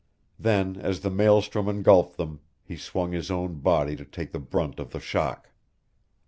Then, as the maelstrom engulfed them, he swung his own body to take the brunt of the shock.